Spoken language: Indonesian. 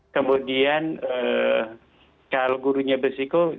kemudian kalau gurunya berisiko